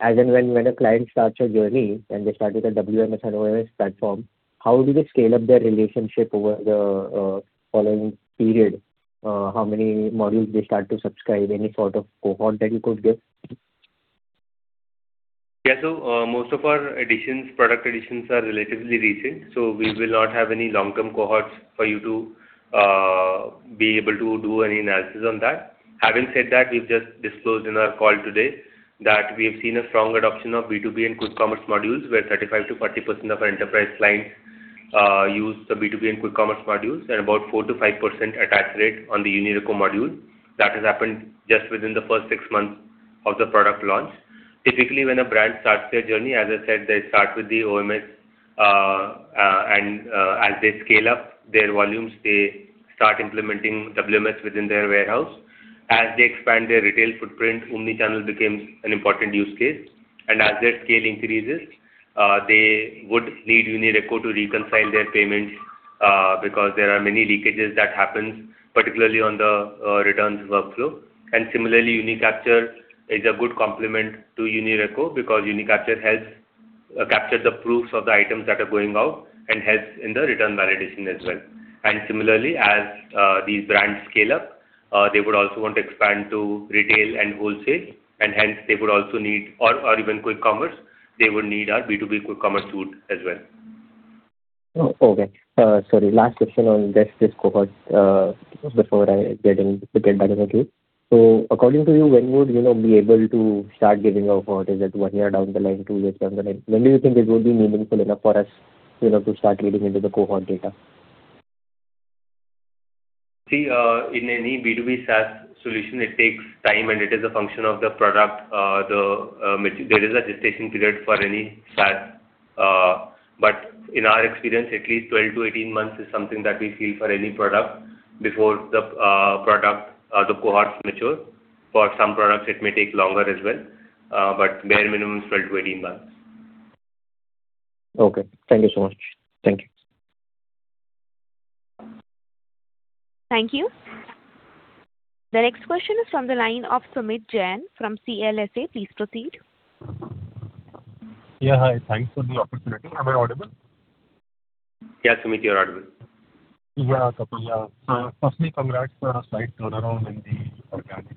as in when, when a client starts your journey, and they start with a WMS and OMS platform, how do they scale up their relationship over the, following period? How many modules they start to subscribe? Any sort of cohort that you could give? Yeah. So, most of our additions, product additions are relatively recent, so we will not have any long-term cohorts for you to be able to do any analysis on that. Having said that, we've just disclosed in our call today that we have seen a strong adoption of B2B and quick commerce modules, where 35%-40% of our enterprise clients use the B2B and quick commerce modules, and about 4%-5% attach rate on the UniReco module. That has happened just within the first six months of the product launch. Typically, when a brand starts their journey, as I said, they start with the OMS, and, as they scale up their volumes, they start implementing WMS within their warehouse. As they expand their retail footprint, omnichannel becomes an important use case, and as their scale increases, they would need UniReco to reconcile their payments, because there are many leakages that happens, particularly on the returns workflow. And similarly, UniCapture is a good complement to UniReco, because UniCapture helps capture the proofs of the items that are going out and helps in the return validation as well. And similarly, as these brands scale up, they would also want to expand to retail and wholesale, and hence they would also need or even quick commerce, they would need our B2B quick commerce tool as well. Oh, okay. Sorry, last question on just this cohort, before I get in, get back on the queue. So according to you, when would you know, be able to start giving a cohort? Is it one year down the line, two years down the line? When do you think this will be meaningful enough for us, you know, to start reading into the cohort data? See, in any B2B SaaS solution, it takes time, and it is a function of the product. There is a gestation period for any SaaS, but in our experience, at least 12-18 months is something that we see for any product before the product, the cohorts mature. For some products, it may take longer as well, but bare minimum, 12-18 months. Okay. Thank you so much. Thank you. Thank you. The next question is from the line of Sumeet Jain from CLSA. Please proceed. Yeah, hi. Thanks for the opportunity. Am I audible? Yeah, Sumeet, you're audible. Yeah, Kapil, yeah. Firstly, congrats on a slight turnaround in the organic-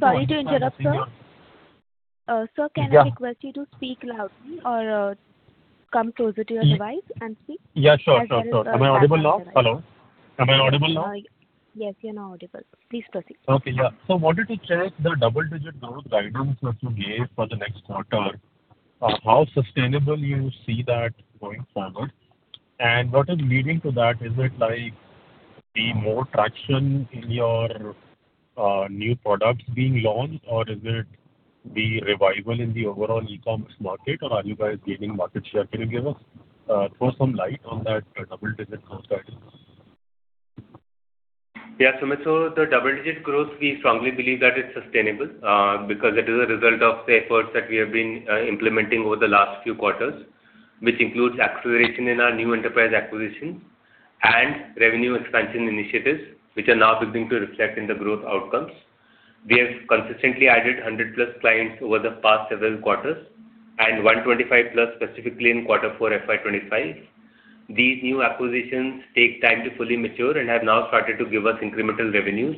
Sorry to interrupt, sir. Sir, can I request you to speak loudly or come closer to your device and speak? Yeah, sure, sure, sure. Am I audible now? Hello. Am I audible now? Yes, you're now audible. Please proceed. Okay, yeah. So wanted to check the double-digit growth guidance that you gave for the next quarter, how sustainable you see that going forward, and what is leading to that? Is it, like, the more traction in your new products being launched, or is it the revival in the overall e-commerce market, or are you guys gaining market share? Can you give us, throw some light on that, double-digit growth guidance? Yeah, Sumeet. So the double-digit growth, we strongly believe that it's sustainable, because it is a result of the efforts that we have been implementing over the last few quarters, which includes acceleration in our new enterprise acquisitions and revenue expansion initiatives, which are now beginning to reflect in the growth outcomes. We have consistently added 100+ clients over the past several quarters, and 125+ specifically in Q4, FY 2025. These new acquisitions take time to fully mature and have now started to give us incremental revenues,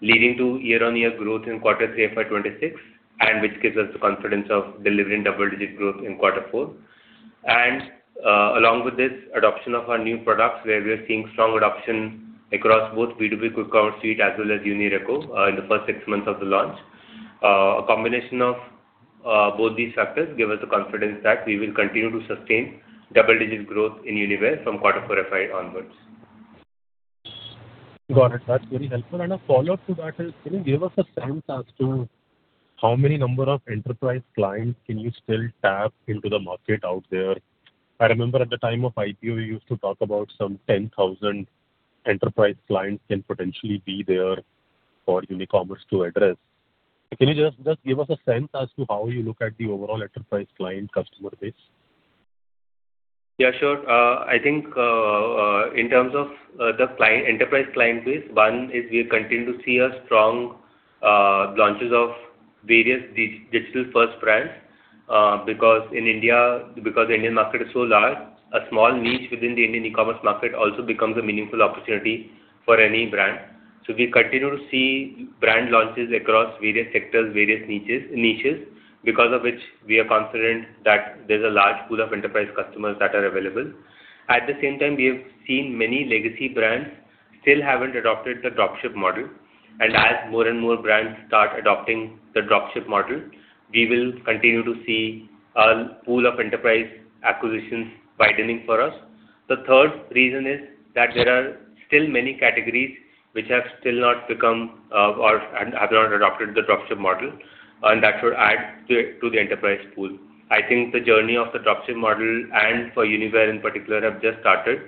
leading to year-on-year growth in Q3, FY 2026, and which gives us the confidence of delivering double-digit growth in Q4. Along with this adoption of our new products, where we are seeing strong adoption across both B2B Quick Commerce suite as well as UniReco, in the first six months of the launch. A combination of both these factors give us the confidence that we will continue to sustain double-digit growth in Uniware from Q4 FY onwards. Got it. That's very helpful. And a follow-up to that is: Can you give us a sense as to how many number of enterprise clients can you still tap into the market out there? I remember at the time of IPO, you used to talk about some 10,000 enterprise clients can potentially be there for Unicommerce to address. Can you just, just give us a sense as to how you look at the overall enterprise client customer base? Yeah, sure. I think in terms of the enterprise client base, one is we continue to see strong launches of various digital-first brands because in India, because the Indian market is so large, a small niche within the Indian e-commerce market also becomes a meaningful opportunity for any brand. So we continue to see brand launches across various sectors, various niches because of which we are confident that there's a large pool of enterprise customers that are available. At the same time, we have seen many legacy brands still haven't adopted the Dropship model, and as more and more brands start adopting the Dropship model, we will continue to see a pool of enterprise acquisitions widening for us. The third reason is that there are still many categories which have still not become, or and have not adopted the dropship model, and that will add to, to the enterprise pool. I think the journey of the dropship model, and for Uniware in particular, have just started.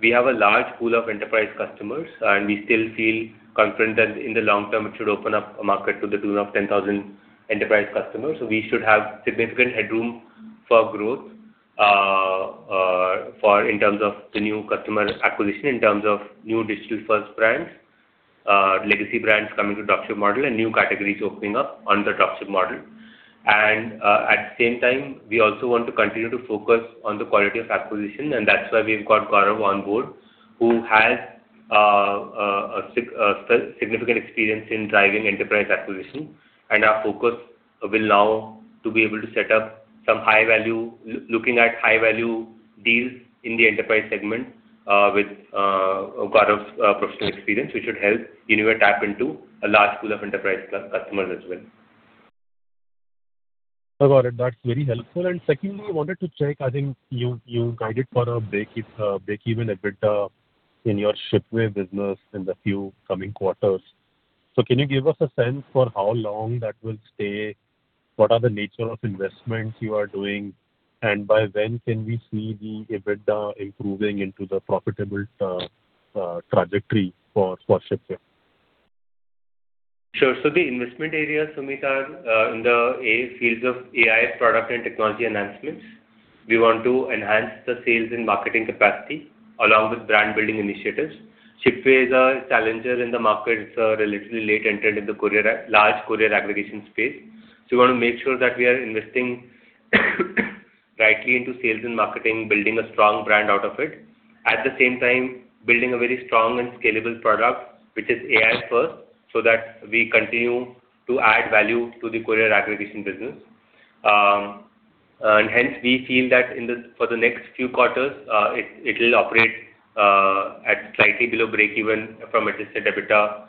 We have a large pool of enterprise customers, and we still feel confident that in the long term, it should open up a market to the tune of 10,000 enterprise customers. So we should have significant headroom for growth, for in terms of the new customer acquisition, in terms of new digital-first brands, legacy brands coming to dropship model, and new categories opening up on the dropship model. At the same time, we also want to continue to focus on the quality of acquisition, and that's why we've got Gaurav on board, who has a significant experience in driving enterprise acquisition. Our focus will now to be able to set up some high-value deals in the enterprise segment, with Gaurav's professional experience, which should help Uniware tap into a large pool of enterprise customers as well. Got it. That's very helpful. Secondly, I wanted to check. I think you guided for a breakeven EBITDA in your Shipway business in the few coming quarters. So can you give us a sense for how long that will stay? What are the nature of investments you are doing, and by when can we see the EBITDA improving into the profitable trajectory for Shipway? Sure. So the investment areas, Sumeet, are in the AI fields of AI product and technology enhancements. We want to enhance the sales and marketing capacity, along with brand-building initiatives. Shipway is a challenger in the market. It's a relatively late entrant in the courier, large courier aggregation space. So we want to make sure that we are investing rightly into sales and marketing, building a strong brand out of it. At the same time, building a very strong and scalable product, which is AI first, so that we continue to add value to the courier aggregation business. And hence, we feel that for the next few quarters, it will operate at slightly below breakeven from adjusted EBITDA.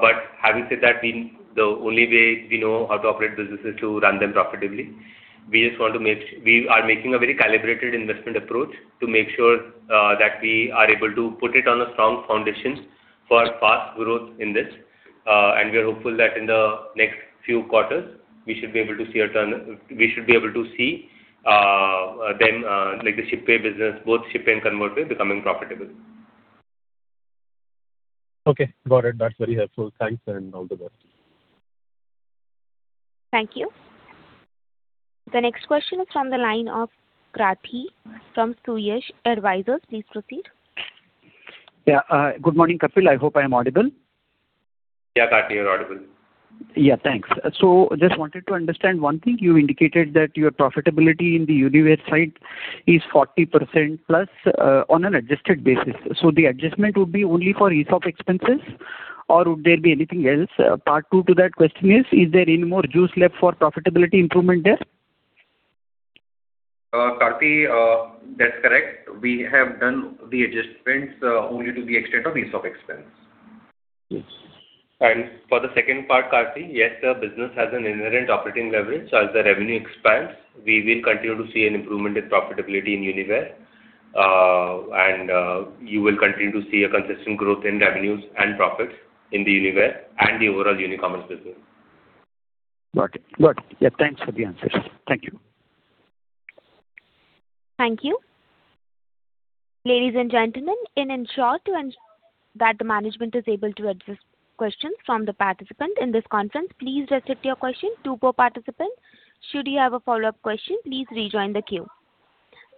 But having said that, we... The only way we know how to operate business is to run them profitably. We are making a very calibrated investment approach to make sure that we are able to put it on a strong foundation for fast growth in this. And we are hopeful that in the next few quarters, we should be able to see a turn. We should be able to see them like the Shipway business, both Shipway and ConvertWay, becoming profitable. Okay, got it. That's very helpful. Thanks, and all the best. Thank you. The next question is from the line of Karthi from Suyash Advisors. Please proceed. Yeah, good morning, Kapil. I hope I am audible. Yeah, Karthi, you're audible. Yeah, thanks. So just wanted to understand one thing. You indicated that your profitability in the Uniware side is 40%+, on an adjusted basis. So the adjustment would be only for ESOP expenses, or would there be anything else? Part two to that question is: Is there any more juice left for profitability improvement there? Karthi, that's correct. We have done the adjustments, only to the extent of ESOP expense. Yes. For the second part, Karthi, yes, the business has an inherent operating leverage. So as the revenue expands, we will continue to see an improvement in profitability in Uniware. You will continue to see a consistent growth in revenues and profits in the Uniware and the overall Unicommerce business. Got it. Got it. Yeah, thanks for the answers. Thank you. Thank you. Ladies and gentlemen, in order to ensure that the management is able to address questions from the participants in this conference, please restrict your question to one per participant. Should you have a follow-up question, please rejoin the queue.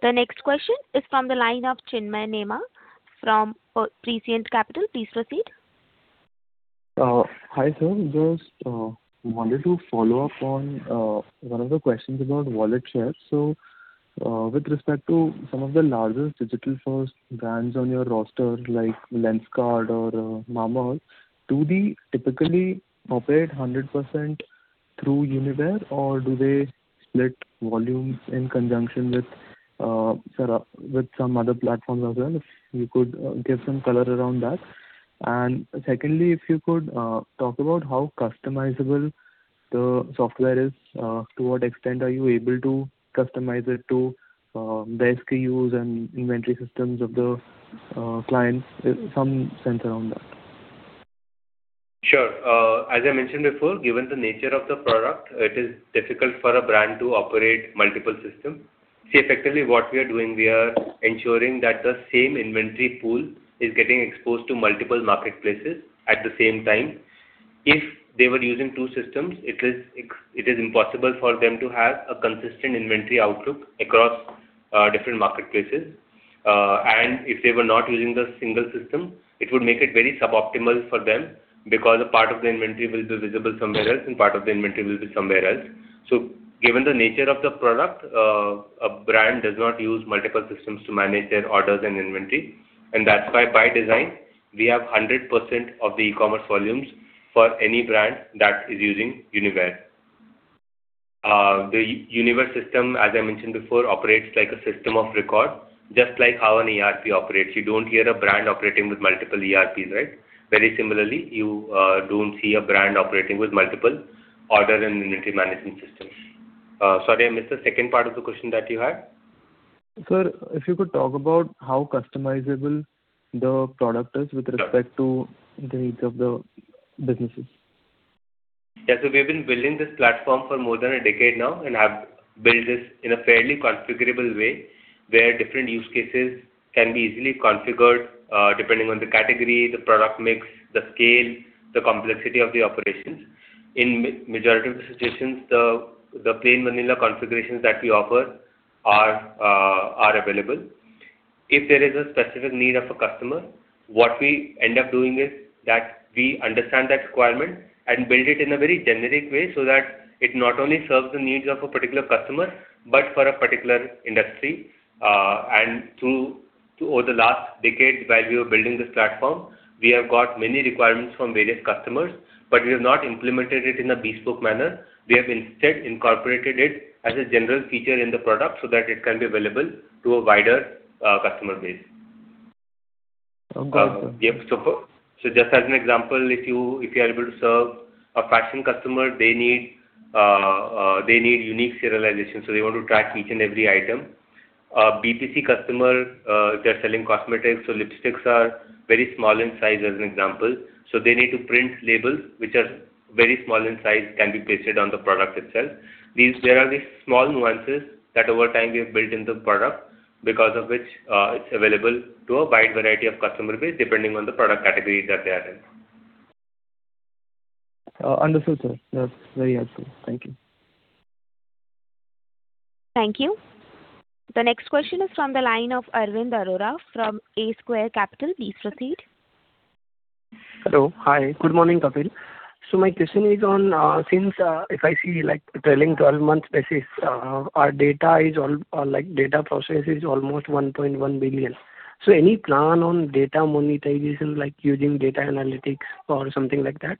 The next question is from the line of Chinmay Nema from Prescient Capital. Please proceed. Hi, sir. Just wanted to follow up on one of the questions about wallet share. So, with respect to some of the largest digital-first brands on your roster, like Lenskart or Mamaearth, do they typically operate 100% through Uniware, or do they split volumes in conjunction with some other platforms as well? If you could give some color around that. And secondly, if you could talk about how customizable the software is, to what extent are you able to customize it to best use and inventory systems of the clients? Some sense around that. Sure. As I mentioned before, given the nature of the product, it is difficult for a brand to operate multiple systems. See, effectively, what we are doing, we are ensuring that the same inventory pool is getting exposed to multiple marketplaces at the same time... If they were using two systems, it is impossible for them to have a consistent inventory outlook across different marketplaces. And if they were not using the single system, it would make it very suboptimal for them, because a part of the inventory will be visible somewhere else, and part of the inventory will be somewhere else. So given the nature of the product, a brand does not use multiple systems to manage their orders and inventory, and that's why, by design, we have 100% of the e-commerce volumes for any brand that is using Uniware. The Uniware system, as I mentioned before, operates like a system of record, just like how an ERP operates. You don't hear a brand operating with multiple ERPs, right? Very similarly, you don't see a brand operating with multiple order and inventory management systems. Sorry, I missed the second part of the question that you had. Sir, if you could talk about how customizable the product is with respect to the needs of the businesses? Yeah. So we have been building this platform for more than a decade now, and have built this in a fairly configurable way, where different use cases can be easily configured, depending on the category, the product mix, the scale, the complexity of the operations. In majority of the situations, the plain vanilla configurations that we offer are available. If there is a specific need of a customer, what we end up doing is that we understand that requirement and build it in a very generic way, so that it not only serves the needs of a particular customer, but for a particular industry. And over the last decade, while we were building this platform, we have got many requirements from various customers, but we have not implemented it in a bespoke manner. We have instead incorporated it as a general feature in the product, so that it can be available to a wider customer base. Okay. Yep. So just as an example, if you are able to serve a fashion customer, they need unique serialization, so they want to track each and every item. B2C customer, if they're selling cosmetics, so lipsticks are very small in size, as an example, so they need to print labels, which are very small in size, can be pasted on the product itself. There are these small nuances that over time we have built in the product, because of which, it's available to a wide variety of customer base, depending on the product category that they are in. Understood, sir. That's very helpful. Thank you. Thank you. The next question is from the line of Arvind Arora from A Square Capital. Please proceed. Hello. Hi, good morning, Kapil. So my question is on, since if I see, like, trailing 12 months basis, our data is all, like, data process is almost 1.1 billion. So any plan on data monetization, like using data analytics or something like that?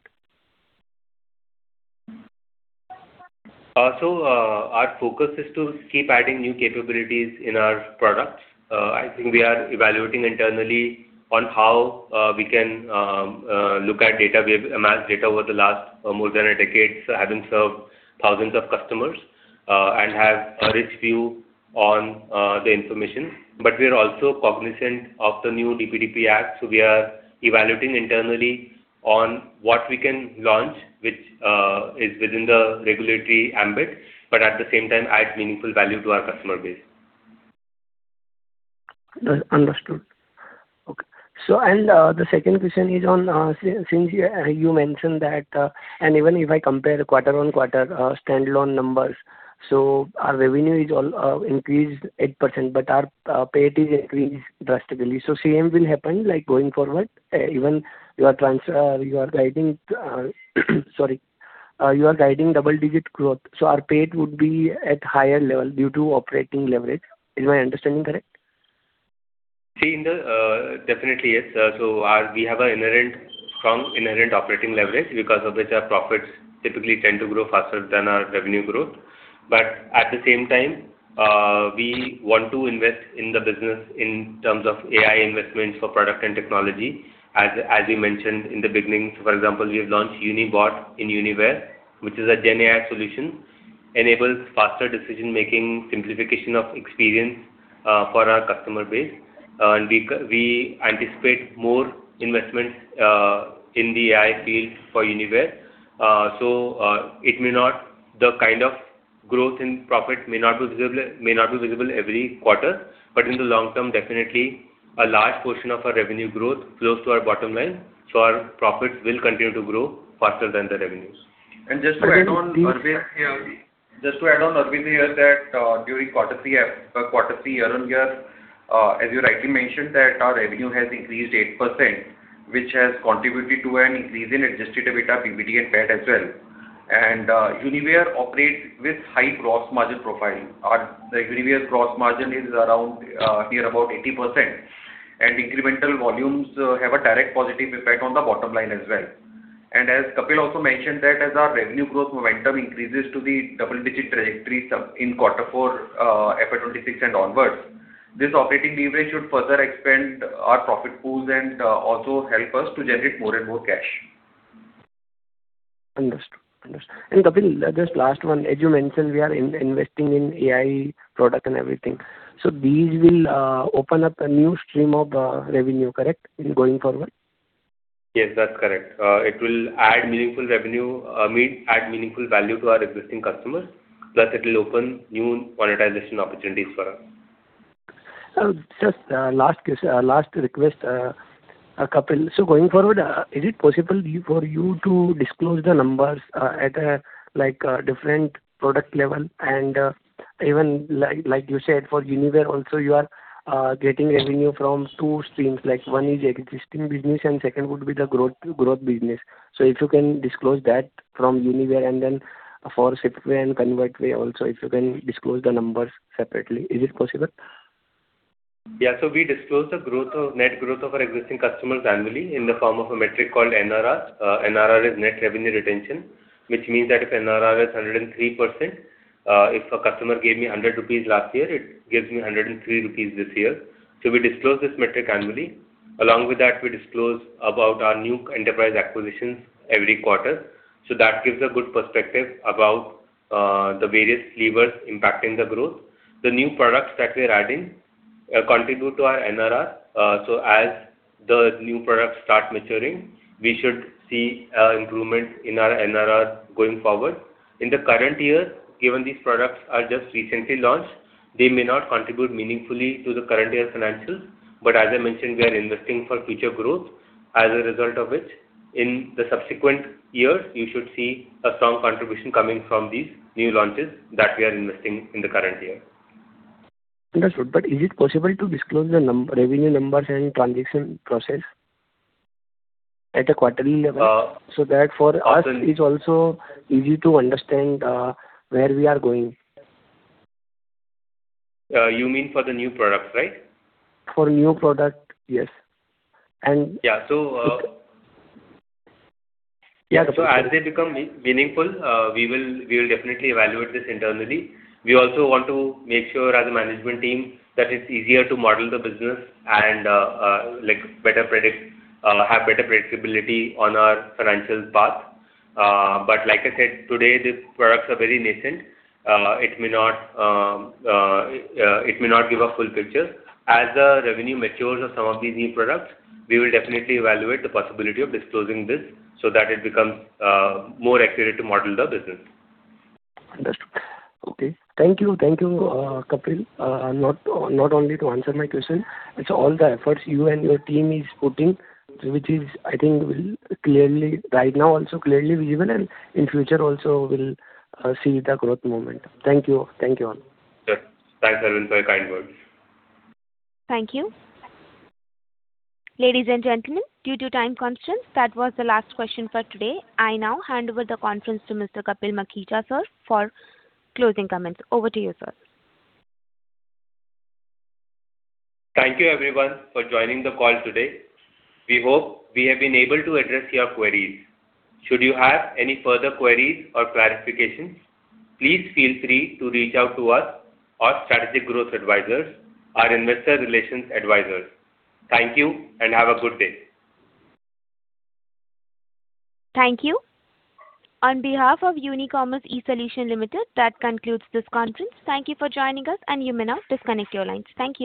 So, our focus is to keep adding new capabilities in our products. I think we are evaluating internally on how we can look at data. We have amassed data over the last more than a decade, so having served thousands of customers, and have a rich view on the information. But we are also cognizant of the new DPDP Act, so we are evaluating internally on what we can launch, which is within the regulatory ambit, but at the same time adds meaningful value to our customer base. Understood. Okay. So, and, the second question is on, since you mentioned that, and even if I compare the quarter-on-quarter standalone numbers, so our revenue also increased 8%, but our PAT increased drastically. So same will happen, like, going forward, even your EBITDA you are guiding double-digit growth, so our PAT would be at higher level due to operating leverage. Is my understanding correct? See, definitely, yes. So we have an inherent, strong inherent operating leverage, because of which our profits typically tend to grow faster than our revenue growth. But at the same time, we want to invest in the business in terms of AI investments for product and technology. As we mentioned in the beginning, for example, we have launched UniBot in Uniware, which is a GenAI solution, enables faster decision-making, simplification of experience for our customer base. And we anticipate more investment in the AI field for Uniware. So, the kind of growth in profit may not be visible, may not be visible every quarter, but in the long term, definitely a large portion of our revenue growth flows to our bottom line, so our profits will continue to grow faster than the revenues. And just to add on, Arvind, just to add on, Arvind, here, that, during Q3, Q3 year-on-year, as you rightly mentioned, that our revenue has increased 8%, which has contributed to an increase in adjusted EBITDA, PBD and PAT as well. And, Uniware operates with high gross margin profile. Our, the previous gross margin is around, here, about 80%. And incremental volumes, have a direct positive effect on the bottom line as well. And as Kapil also mentioned, that as our revenue growth momentum increases to the double-digit trajectory some in Q4, FY 2026 and onwards, this operating leverage should further expand our profit pools and, also help us to generate more and more cash. Understood. Understood. Kapil, just last one: As you mentioned, we are investing in AI product and everything. So these will open up a new stream of revenue, correct, in going forward? Yes, that's correct. It will add meaningful revenue, add meaningful value to our existing customers, plus it will open new monetization opportunities for us. Just last request, Kapil. So going forward, is it possible for you to disclose the numbers at a, like, a different product level? And even like you said, for Uniware also, you are getting revenue from two streams, like one is existing business and second would be the growth business. So if you can disclose that from Uniware and then for Shipway and ConvertWay also, if you can disclose the numbers separately, is it possible? Yeah. We disclose the net growth of our existing customers annually in the form of a metric called NRR. NRR is Net Revenue Retention, which means that if NRR is 103%, if a customer gave me 100 rupees last year, it gives me 103 rupees this year. We disclose this metric annually. Along with that, we disclose about our new enterprise acquisitions every quarter. That gives a good perspective about the various levers impacting the growth. The new products that we're adding contribute to our NRR. So as the new products start maturing, we should see improvement in our NRR going forward. In the current year, given these products are just recently launched, they may not contribute meaningfully to the current year financials. As I mentioned, we are investing for future growth. As a result of which, in the subsequent years, you should see a strong contribution coming from these new launches that we are investing in the current year. Understood. But is it possible to disclose the revenue numbers and transaction process at a quarterly level? Uh- So that for us, it's also easy to understand where we are going. You mean for the new products, right? For new product, yes. And Yeah. So... Yeah. So as they become meaningful, we will, we will definitely evaluate this internally. We also want to make sure as a management team, that it's easier to model the business and, like, have better predictability on our financials path. But like I said, today, these products are very nascent. It may not give a full picture. As the revenue matures of some of these new products, we will definitely evaluate the possibility of disclosing this so that it becomes more accurate to model the business. Understood. Okay. Thank you, thank you, Kapil. Not only to answer my question, it's all the efforts you and your team is putting, which is, I think will clearly, right now also clearly visible, and in future also we'll see the growth moment. Thank you. Thank you all. Sure. Thanks, Arvind, for your kind words. Thank you. Ladies and gentlemen, due to time constraints, that was the last question for today. I now hand over the conference to Mr. Kapil Makhija, sir, for closing comments. Over to you, sir. Thank you, everyone, for joining the call today. We hope we have been able to address your queries. Should you have any further queries or clarifications, please feel free to reach out to us or Strategic Growth Advisors, our investor relations advisors. Thank you, and have a good day. Thank you. On behalf of Unicommerce eSolutions Limited, that concludes this conference. Thank you for joining us, and you may now disconnect your lines. Thank you.